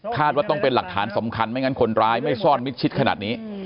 ว่าต้องเป็นหลักฐานสำคัญไม่งั้นคนร้ายไม่ซ่อนมิดชิดขนาดนี้